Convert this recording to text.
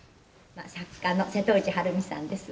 「作家の瀬戸内晴美さんです」